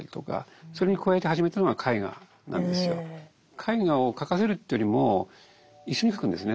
絵画を描かせるというよりも一緒に描くんですね